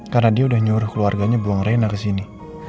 karena dia udah nyuruh keluarganya buang reyna kesini